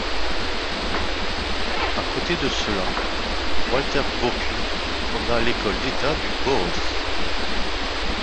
À côté de cela Walter Gropius fonda l'école d'État du Bauhaus.